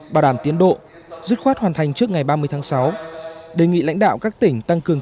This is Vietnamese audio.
bảo đảm tiến độ dứt khoát hoàn thành trước ngày ba mươi tháng sáu đề nghị lãnh đạo các tỉnh tăng cường